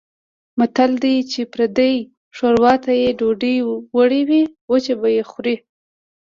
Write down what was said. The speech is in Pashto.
متل دی: چې پردۍ شوروا ته یې ډوډۍ وړوې وچه به یې خورې.